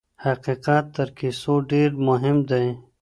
حقیقت تر کیسو ډېر مهم دی.